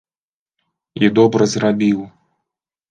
- I добра зрабiў!